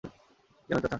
কেন, চাচা?